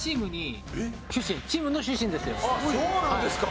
そうなんですか。